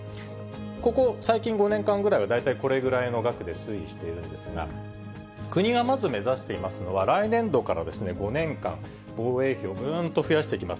ここ、最近５年間ぐらいは大体これぐらいの額で推移しているんですが、国がまず目指していますのは、来年度から５年間、防衛費をぐーんと増やしていきます。